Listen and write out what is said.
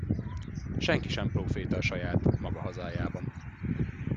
Senki sem próféta a saját, maga hazájában.